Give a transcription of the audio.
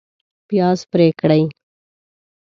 پیاز پرې کړئ